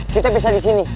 kita bisa disini